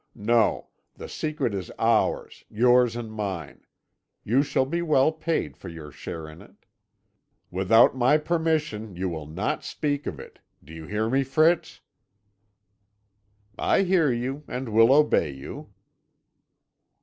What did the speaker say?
No the secret is ours, yours and mine; you shall be well paid for your share in it. Without my permission you will not speak of it do you hear me, Fritz?" "I hear you, and will obey you."